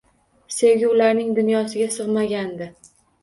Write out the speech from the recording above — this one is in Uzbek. Sevgi ularning dunyosiga sig‘magandi